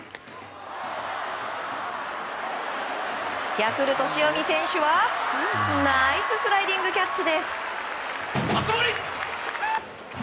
ヤクルト、塩見選手はナイススライディングキャッチ！